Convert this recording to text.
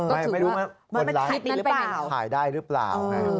ไม่รู้ว่ามันถ่ายไปไหนถ่ายได้หรือเปล่า